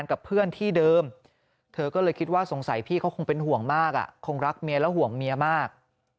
คิดว่าสงสัยพี่เขาคงเป็นห่วงมากคงรักเมียและห่วงเมียมาก